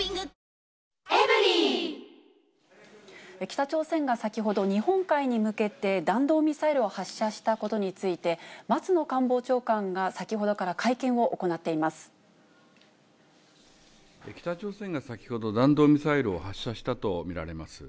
北朝鮮が先ほど、日本海に向けて弾道ミサイルを発射したことについて、松野官房長官が、北朝鮮が先ほど、弾道ミサイルを発射したと見られます。